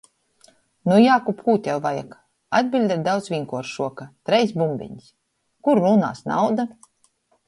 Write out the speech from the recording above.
Nu, Jākub, kū tev vajag? Atbiļde ir daudz vīnkuoršuoka: "Treis bumbenis!" Kur rūnās nauda?